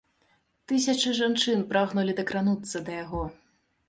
Тысячы жанчын прагнулі дакрануцца да яго.